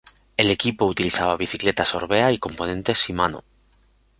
El equipo utilizaba bicicletas Orbea y componentes Shimano.